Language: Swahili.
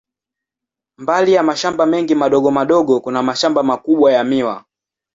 Mbali ya mashamba mengi madogo madogo, kuna mashamba makubwa ya miwa.